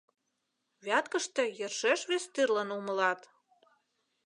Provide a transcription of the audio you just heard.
Вяткыште йӧршеш вес тӱрлын умылат.